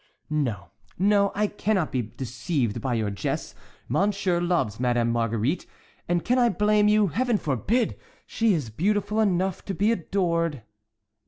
"No, no, I cannot be deceived by your jests. Monseigneur loves Madame Marguerite. And can I blame you? Heaven forbid! She is beautiful enough to be adored."